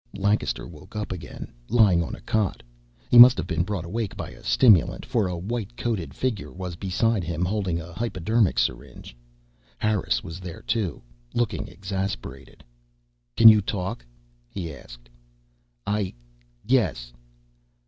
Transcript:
Lancaster woke up again lying on a cot. He must have been brought awake by a stimulant, for a white coated figure was beside him, holding a hypodermic syringe. Harris was there too, looking exasperated. "Can you talk?" he asked. "I yes."